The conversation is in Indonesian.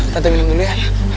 tante minum dulu ya